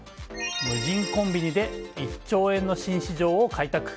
無人コンビニで１兆円の新市場を開拓。